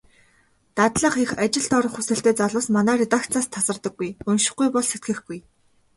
Дадлага хийх, ажилд орох хүсэлтэй залуус манай редакцаас тасардаггүй. УНШИХГҮЙ БОЛ СЭТГЭХГҮЙ.